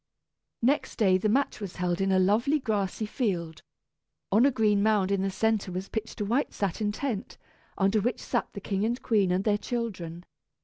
Next day the match was held in a lovely grassy field. On a green mound in the centre was pitched a white satin tent, under which sat the king and queen and their children.